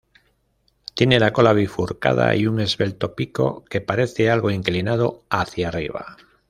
Tiene la cola bifurcada y un esbelto pico que parece algo inclinado hacia arriba.